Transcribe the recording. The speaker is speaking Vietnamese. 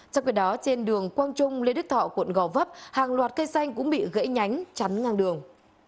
trong khi đó trên đường quang trung lê đức thọ quận gò vấp hàng loạt cây xanh cũng bị gãy nhánh chắn ngang đường